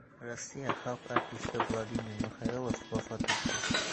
Rossiya xalq artisti Vladimir Mixaylov vafot etdi